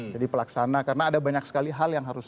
jadi pelaksana karena ada banyak sekali hal yang harus